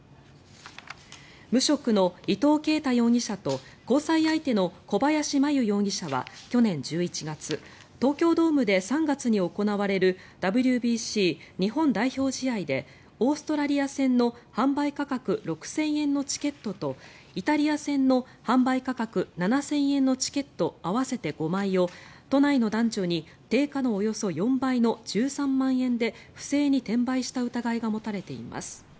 無職の伊藤啓太容疑者と交際相手の小林真優容疑者は去年１１月東京ドームで３月に行われるＷＢＣ日本代表試合でオーストラリア戦の販売価格６０００円のチケットとイタリア戦の販売価格７０００円のチケット合わせて５枚を都内の男女に定価のおよそ４倍の１３万円で不正に転売した疑いが持たれています。